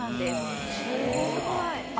すごい。